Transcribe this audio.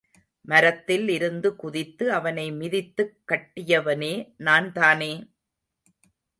மரத்தில் இருந்து குதித்து, அவனை மிதித்துக் கட்டியவனே நான்தானே?